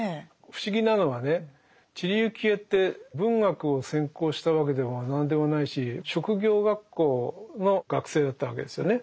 不思議なのはね知里幸恵って文学を専攻したわけでも何でもないし職業学校の学生だったわけですよね。